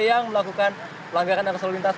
yang melakukan pelanggaran arus lalu lintas